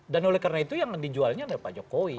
dan oleh karena itu yang nanti dijualnya pak jokowi